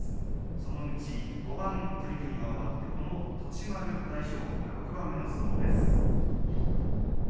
そのうち５番、取組が終わってこの栃丸、大翔鵬が６番目の相撲です。